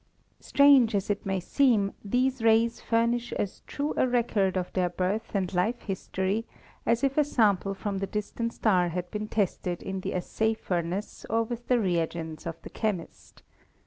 Strange as it may seem, these rays furnish as true a record of their birth and life history as if a sam ple from the distant star had been tested in the assay fur nace or with the reagents of the chemist.